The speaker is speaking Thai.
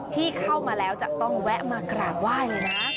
ที่เข้ามาแล้วจะต้องแวะมากราบไหว้เลยนะ